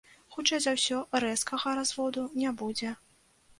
Хутчэй за ўсё, рэзкага разводу не будзе.